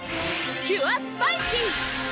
キュアスパイシー！